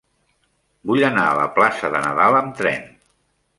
Vull anar a la plaça de Nadal amb tren.